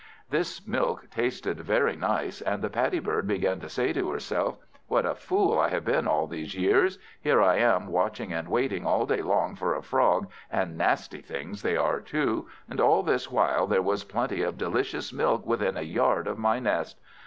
This milk tasted very nice, and the Paddy bird began to say to herself, "What a fool I have been all these years! Here am I, watching and waiting all day long for a frog, and nasty things they are too, and all this while there was plenty of delicious milk within a yard of my nest!